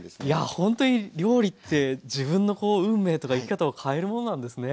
いやほんとに料理って自分の運命とか生き方を変えるものなんですね。